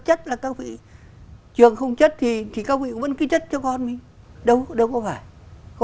chất là các vị trường không chất thì thì các vị vẫn cứ chất cho con mình đâu đâu có phải có